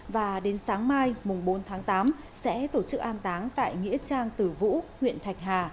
và đến sáng mai bốn tháng tám sẽ tổ chức an táng tại nghĩa trang tử vũ huyện thạch hà